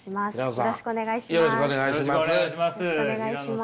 よろしくお願いします。